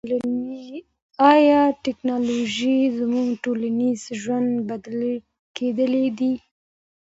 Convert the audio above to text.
آیا ټیکنالوژي زموږ ټولنیز ژوند بدل کړی دی؟